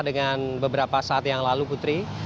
dengan beberapa saat yang lalu putri